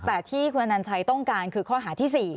แต่ที่คุณอนัญชัยต้องการคือข้อหาที่๔